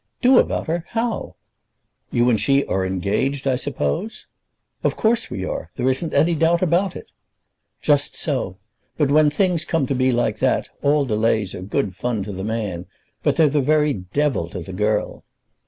"Do about her! How?" "You and she are engaged, I suppose?" "Of course we are. There isn't any doubt about it." "Just so. But when things come to be like that, all delays are good fun to the man, but they're the very devil to the girl."